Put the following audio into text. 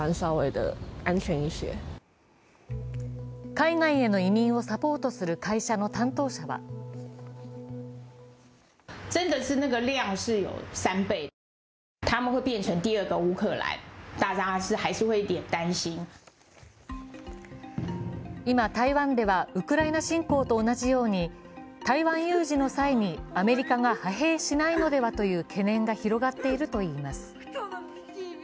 海外への移民をサポートする会社の担当者は今、台湾ではウクライナ侵攻と同じように台湾有事の際にアメリカが派兵しないのではという懸念が広がっているといいます。